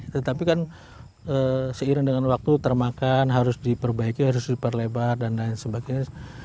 tetapi kan seiring dengan waktu termakan harus diperbaiki harus diperlebar dan lain sebagainya